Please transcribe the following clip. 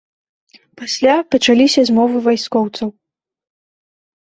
Пасля пачаліся змовы вайскоўцаў.